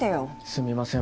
すみません